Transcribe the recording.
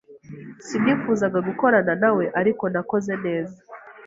Sinifuzaga gukorana na we, ariko nakoze neza.